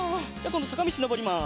どさかみちのぼります。